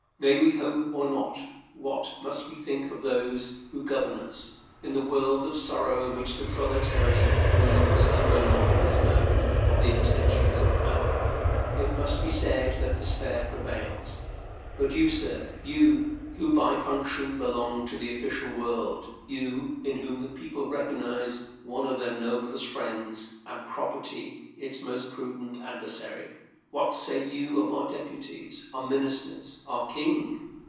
May we hope, or not? What must we think of those who govern us? In the world of sorrow in which the proletaire moves, and where nothing is known of the intentions of power, it must be said that despair prevails. But you, sir, you, who by function belong to the official world; you, in whom the people recognize one of their noblest friends, and property its most prudent adversary, what say you of our deputies, our ministers, our king?